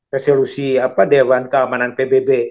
resolusi dewan keamanan pbb